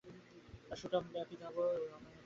তাঁহার সুঠাম মাথায় পীতাভ বা লালরঙের পাগড়ি থাকে।